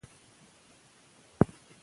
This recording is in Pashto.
موږ د خپل کلتور ریښې په ادبیاتو کې لټوو.